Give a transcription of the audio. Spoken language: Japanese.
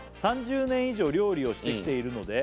「３０年以上料理をしてきているので」